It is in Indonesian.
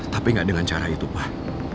tapi gak dengan cara itu pak